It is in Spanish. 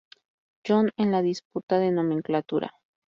John en la disputa de nomenclatura.